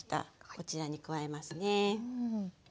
こちらに加えますね。